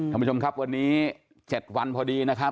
ท่านผู้ชมครับวันนี้๗วันพอดีนะครับ